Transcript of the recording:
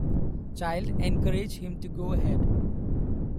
Child encouraged him to go ahead.